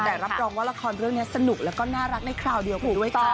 แต่รับรองว่าละครเรื่องนี้สนุกแล้วก็น่ารักในคราวเดียวกัน